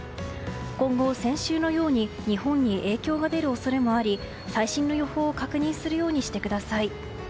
今後、先週のように日本に影響が出る恐れもあり最新の予報を確認するようにしてください。